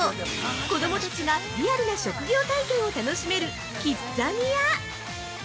子供たちがリアルな職業体験を楽しめる、キッザニア。